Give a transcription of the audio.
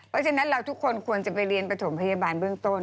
เพราะฉะนั้นเราทุกคนควรจะไปเรียนประถมพยาบาลเบื้องต้น